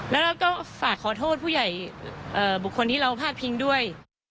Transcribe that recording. แล้วเราก็ฝากขอโทษผู้ใหญ่บุคคลที่เราพาดพิงด้วย